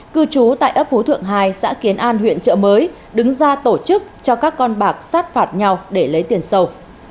cư trú tại ấp phú thượng hai xã kiến an huyện trợ mới đứng ra tổ chức cho các con bạc sát phạt nhau để lấy tiền sâu